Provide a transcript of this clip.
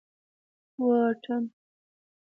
واټن